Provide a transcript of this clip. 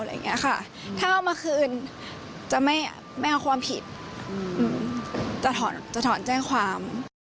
อะไรอย่างนี้อ่ะค่ะถ้าเอามาคืนจะไม่เอาความผิดจะถอนแจ้งความ